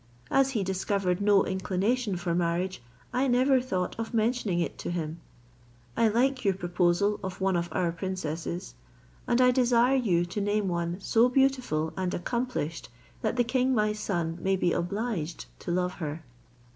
As he discovered no inclination for marriage, I never thought of mentioning it to him. I like your proposal of one of our princesses; and I desire you to name one so beautiful and accomplished that the king my son may be obliged to love her."